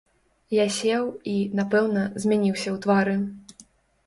Я сеў, і, напэўна, змяніўся ў твары.